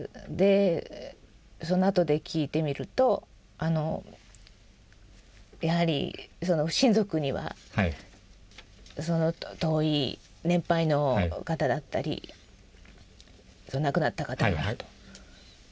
そのあとで聞いてみるとやはり親族には遠い年配の方だったり亡くなった方がいると。